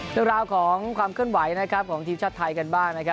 เรื่องราวของความเคลื่อนไหวของทีมชาติไทยกันบ้าง